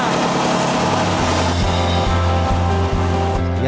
oh jangan didorong takut rusak alatnya